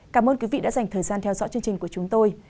cảm ơn quý vị đã dành thời gian theo dõi chương trình của chúng tôi